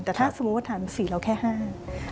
แต่ถ้าสมมุติว่าทางภาษีเราแค่๕บาท